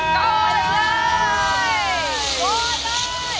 โกยเลย